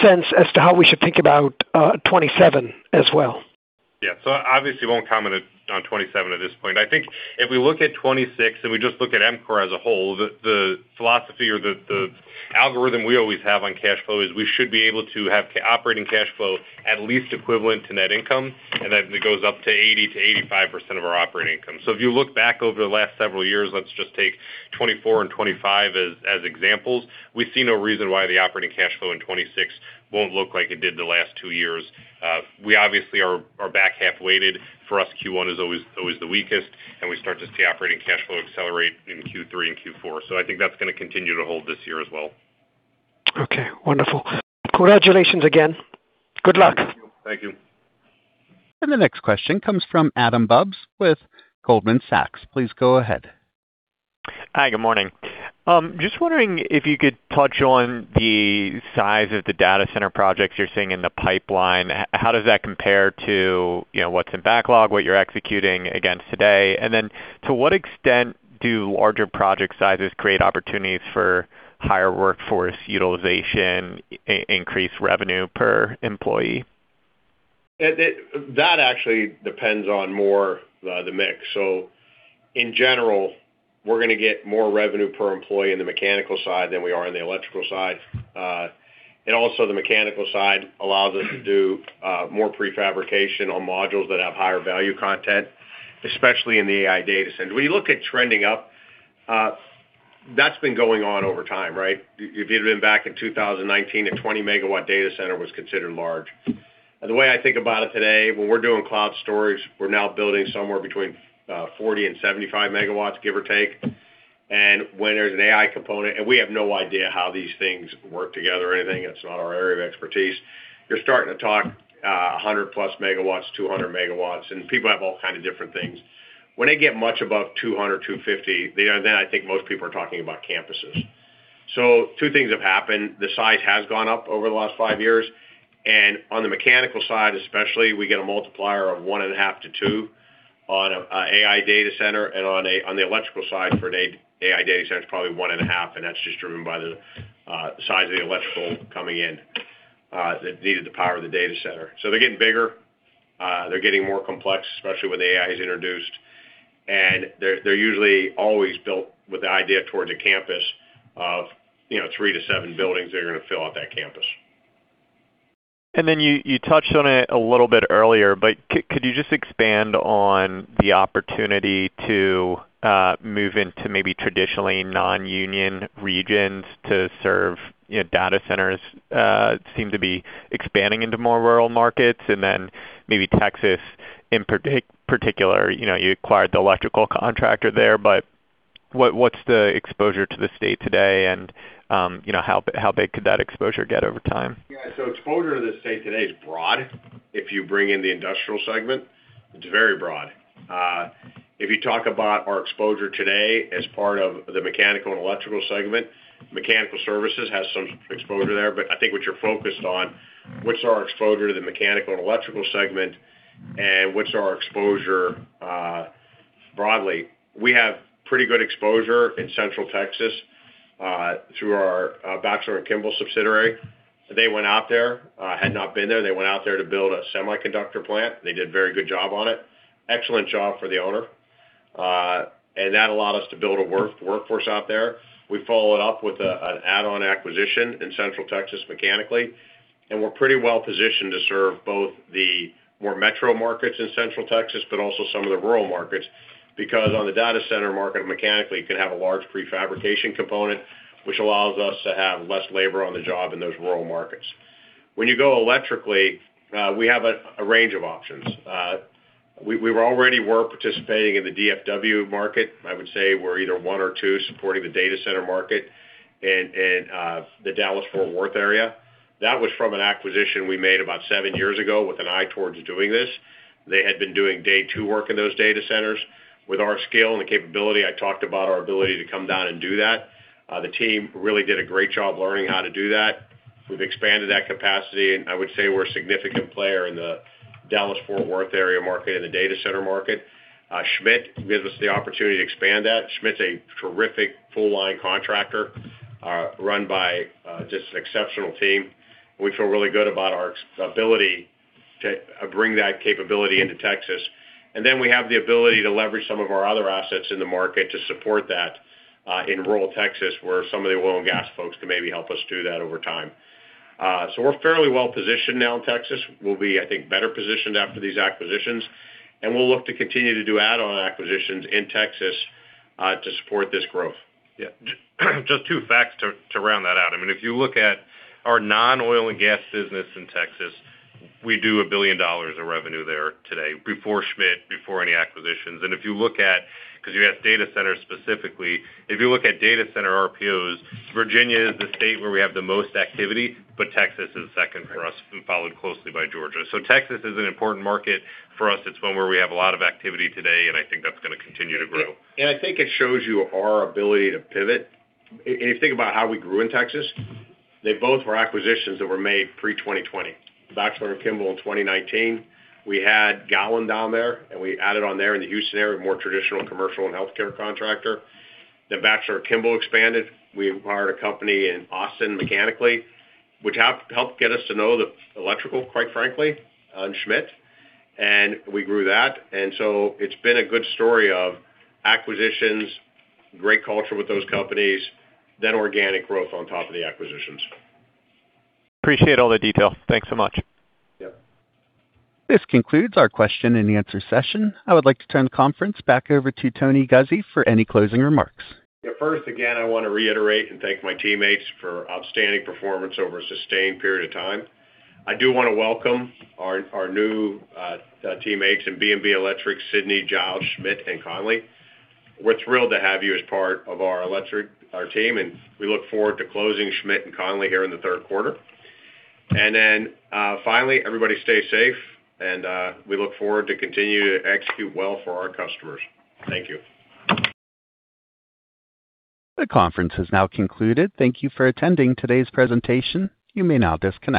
sense as to how we should think about 2027 as well. Obviously, won't comment on 2027 at this point. If we look at 2026 and we just look at EMCOR as a whole, the philosophy or the algorithm we always have on cash flow is we should be able to have operating cash flow at least equivalent to net income, and then it goes up to 80%-85% of our operating income. If you look back over the last several years, let's just take 2024 and 2025 as examples. We see no reason why the operating cash flow in 2026 won't look like it did the last two years. We obviously are back half-weighted. For us, Q1 is always the weakest, and we start to see operating cash flow accelerate in Q3 and Q4. That's going to continue to hold this year as well. Okay, wonderful. Congratulations again. Good luck. Thank you. The next question comes from Adam Bubes with Goldman Sachs. Please go ahead. Hi, good morning. Just wondering if you could touch on the size of the data center projects you're seeing in the pipeline. How does that compare to what's in backlog, what you're executing against today? To what extent do larger project sizes create opportunities for higher workforce utilization, increased revenue per employee? In general, we're going to get more revenue per employee in the mechanical side than we are in the electrical side. Also, the mechanical side allows us to do more prefabrication on modules that have higher value content, especially in the AI data center. When you look at trending up, that's been going on over time, right? If you'd have been back in 2019, a 20 MW data center was considered large. The way I think about it today, when we're doing cloud storage, we're now building somewhere between 40MW and 75 MW, give or take. When there's an AI component, and we have no idea how these things work together or anything, that's not our area of expertise. You're starting to talk 100+ MW to 200 MW, and people have all kind of different things. When they get much above 200, 250, I think most people are talking about campuses. Two things have happened. The size has gone up over the last five years, and on the mechanical side especially, we get a multiplier of 1.5 to two on an AI data center, and on the electrical side for an AI data center, it's probably 1.5, and that's just driven by the size of the electrical coming in that's needed to power the data center. They're getting bigger. They're getting more complex, especially when the AI is introduced. They're usually always built with the idea towards a campus of three to seven buildings that are going to fill out that campus. You touched on it a little bit earlier, but could you just expand on the opportunity to move into maybe traditionally non-union regions to serve data centers? Seem to be expanding into more rural markets, maybe Texas in particular. You acquired the electrical contractor there, what's the exposure to the state today, and how big could that exposure get over time? Exposure to the state today is broad. If you bring in the industrial segment, it's very broad. If you talk about our exposure today as part of the mechanical and electrical segment, mechanical services has some exposure there. I think what you're focused on, what's our exposure to the mechanical and electrical segment and what's our exposure broadly? We have pretty good exposure in Central Texas through our Batchelor & Kimball subsidiary. They went out there, had not been there. They went out there to build a semiconductor plant. They did a very good job on it, excellent job for the owner. That allowed us to build a workforce out there. We followed up with an add-on acquisition in Central Texas mechanically. We're pretty well positioned to serve both the more metro markets in Central Texas, also some of the rural markets, because on the data center market, mechanically, you can have a large prefabrication component, which allows us to have less labor on the job in those rural markets. When you go electrically, we have a range of options. We already were participating in the DFW market. I would say we're either one or two supporting the data center market in the Dallas-Fort Worth area. That was from an acquisition we made about seven years ago with an eye towards doing this. They had been doing day two work in those data centers. With our scale and the capability, I talked about our ability to come down and do that. The team really did a great job learning how to do that. We've expanded that capacity. I would say we're a significant player in the Dallas-Fort Worth area market, in the data center market. Schmidt gives us the opportunity to expand that. Schmidt's a terrific full line contractor, run by just an exceptional team. We feel really good about our ability to bring that capability into Texas. We have the ability to leverage some of our other assets in the market to support that, in rural Texas, where some of the oil and gas folks can maybe help us do that over time. We're fairly well positioned now in Texas. We'll be, I think, better positioned after these acquisitions. We'll look to continue to do add-on acquisitions in Texas to support this growth. Yeah. Just two facts to round that out. If you look at our non-oil and gas business in Texas, we do $1 billion of revenue there today before Schmidt, before any acquisitions. Because you asked data centers specifically, if you look at data center RPOs, Virginia is the state where we have the most activity. Texas is second for us, followed closely by Georgia. Texas is an important market for us. It's one where we have a lot of activity today. I think that's going to continue to grow. I think it shows you our ability to pivot. If you think about how we grew in Texas, they both were acquisitions that were made pre-2020. Batchelor & Kimball in 2019. We had Gowan down there, and we added on there in the Houston area, more traditional commercial and healthcare contractor. Batchelor & Kimball expanded. We acquired a company in Austin mechanically, which helped get us to know the electrical, quite frankly, on Schmidt. We grew that. It's been a good story of acquisitions, great culture with those companies, then organic growth on top of the acquisitions. Appreciate all the detail. Thanks so much. Yep. This concludes our question and answer session. I would like to turn the conference back over to Tony Guzzi for any closing remarks. First, again, I want to reiterate and thank my teammates for outstanding performance over a sustained period of time. I do want to welcome our new teammates in B&B Electric, Sidney, Giles, Schmidt and Connelly. We're thrilled to have you as part of our team, and we look forward to closing Schmidt and Connelly here in the third quarter. Finally, everybody stay safe, and we look forward to continue to execute well for our customers. Thank you. The conference has now concluded. Thank you for attending today's presentation. You may now disconnect.